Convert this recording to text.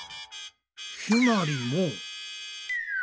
ひまりも。